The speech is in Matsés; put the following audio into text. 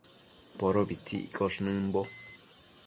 Podobitsi iccosh nëmbo